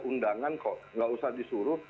undangan kok nggak usah disuruh